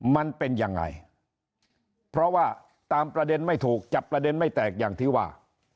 มันเป็นยังไงเพราะว่าตามประเด็นไม่ถูกจับประเด็นไม่แตกอย่างที่ว่า